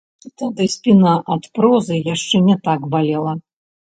Тады спіна ад прозы яшчэ не так балела.